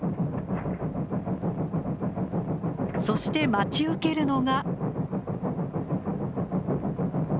そして待ち受けるのが。